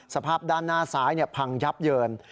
สภาพด้านหน้าซ้ายพังยับเยิน